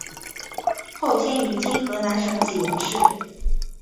后迁于今河南省济源市。